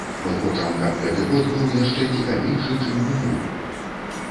Мы хочам, каб гэты год быў яшчэ цікавейшы чым мінулы.